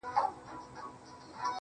زه به د ميني يوه در زده کړم